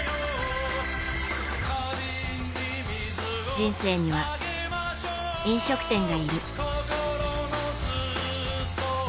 人生には、飲食店がいる。